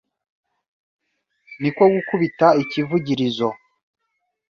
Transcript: Ni ko gukubita ikivugirizo,